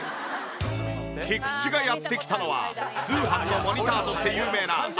キクチがやって来たのは通販のモニターとして有名なあのお宅。